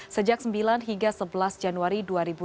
sejak sembilan hingga sebelas januari dua ribu dua puluh